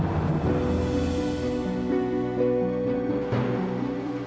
kalau ibu mendengar berita mengejutkan seperti ini